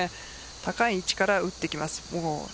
高い位置から打っていきます。